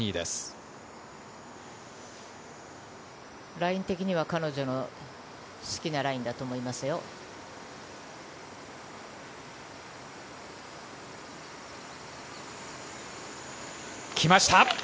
ライン的には、彼女の好きなラインだと思いますよ。来ました！